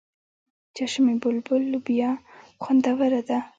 چشم بلبل لوبیا خوندوره ده.